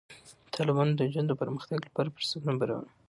تالابونه د نجونو د پرمختګ لپاره فرصتونه برابروي.